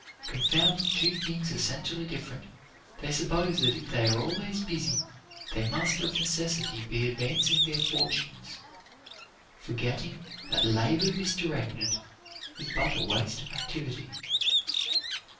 Confounding two things essentially different, they suppose that if they are always busy, they must of necessity be advancing their fortunes; forgetting that labor misdirected is but a waste of activity.